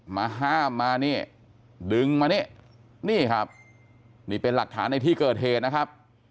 มาห้ามมานี่ดึงมานี่นี่ครับนี่เป็นหลักฐานในที่เกิดเหตุนะครับ